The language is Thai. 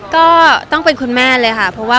ก็ต้องเป็นคุณแม่เลยค่ะ